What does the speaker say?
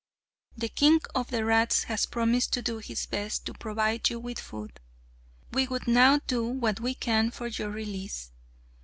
The king of the rats has promised to do his best to provide you with food. We would now do what we can for your release.